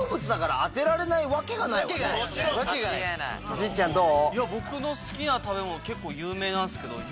ジンちゃんどう？